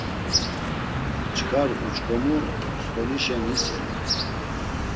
Çkar uç̌ǩomu stolişen yiselu.